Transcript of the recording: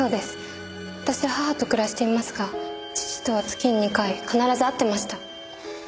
私は母と暮らしていますが父とは月に２回必ず会ってました。